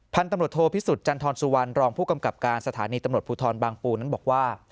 พันธุ์ตำรวจโทพิสุทธิจันทรสุวรรณรองผู้กำกับการสถานีตำรวจภูทรบางปูนั้นบอกว่า